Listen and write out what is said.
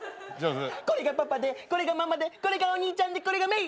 これがパパでこれがママでこれがお兄ちゃんでこれがメイ。